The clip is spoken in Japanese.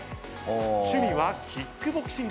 趣味はキックボクシング。